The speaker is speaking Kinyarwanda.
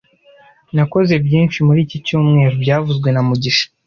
Nakoze byinshi muri iki cyumweru byavuzwe na mugisha